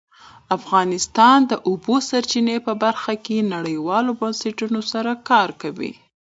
افغانستان د د اوبو سرچینې په برخه کې نړیوالو بنسټونو سره کار کوي.